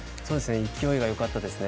勢いがよかったですね。